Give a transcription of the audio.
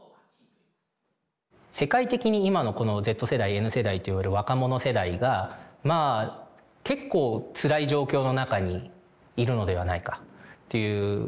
世界的に今のこのＺ世代Ｍ世代といわれる若者世代がまあ結構つらい状況の中にいるのではないかというのがあると思うんですね。